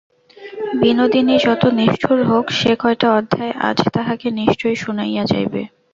বিনোদিনী যত নিষ্ঠুর হোক সে-কয়টা অধ্যায় আজ তাহাকে নিশ্চয় শুনাইয়া যাইবে।